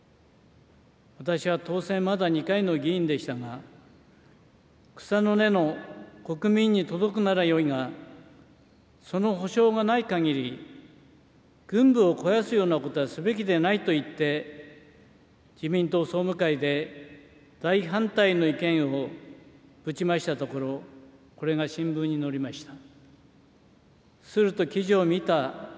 私は当選まだ２回の議員でしたが、草の根の国民に届くならよいが、その保証がないかぎり軍部を肥やすようなことはすべきではないと言って、自民党総務会で大反対の意見をぶちましたところ、これが新聞に載りました。